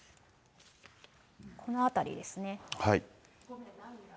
この辺りですね。